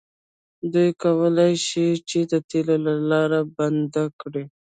دوی کولی شي د تیلو لاره بنده کړي.